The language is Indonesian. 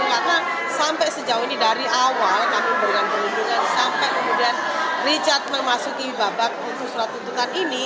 karena sampai sejauh ini dari awal kami memberikan perlindungan sampai kemudian richard memasuki babak untuk surat tuntutan ini